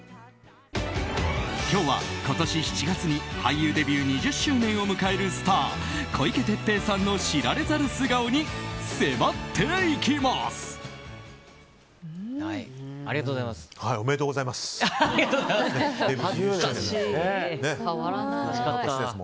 今日は今年７月に俳優デビュー２０周年を迎えるスター小池徹平さんのありがとうございます。